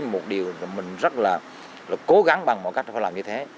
một điều mình rất là cố gắng bằng mọi cách làm như thế